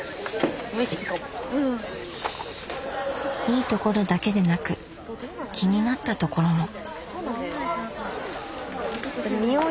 いいところだけでなく気になったところも。